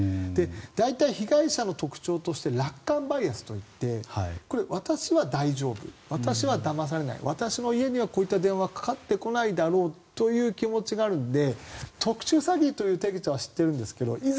大体、被害者の特徴として楽観バイアスといってこれは私は大丈夫私はだまされない私の家にはこういった電話がかかってこないだろうという気持ちがあるので特殊詐欺という手口は知っているんですがいざ